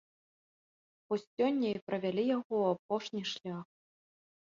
Вось сёння і правялі яго ў апошні шлях.